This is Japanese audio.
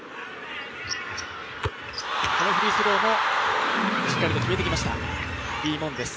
このフリースローもしっかりと決めてきました、